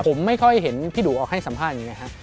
ผมไม่ค่อยเห็นพี่ดูออกให้สัมภาษณ์อย่างนี้ครับ